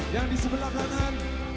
yang disebelah belakang